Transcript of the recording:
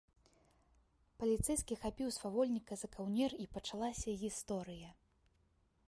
Паліцэйскі хапіў свавольніка за каўнер, і пачалася гісторыя.